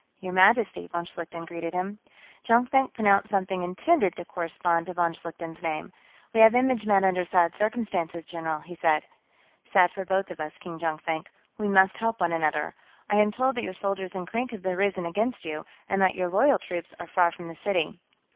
"Your Majesty," von Schlichten greeted him. Jonkvank pronounced something intended to correspond to von Schlichten's name. "We have image met under sad circumstances, general," he said. "Sad for both of us, King Jonkvank; we must help one another. I am told that your soldiers in Krink have risen against you, and that your loyal troops are far from the city."